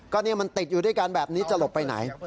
ก็เนี่ยมันติดอยู่ด้วยกันแบบนี้จะหลบไปไหน